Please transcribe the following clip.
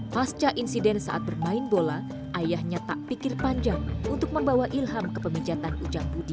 pasca insiden saat bermain bola ayahnya tak pikir panjang untuk membawa ilham ke pemijatan ujang budi